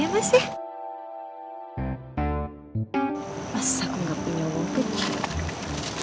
masa aku gak punya wong kecil